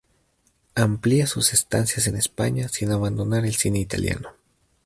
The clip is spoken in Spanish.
Amplía sus estancias en España sin abandonar el cine italiano.